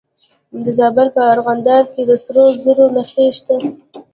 د زابل په ارغنداب کې د سرو زرو نښې شته.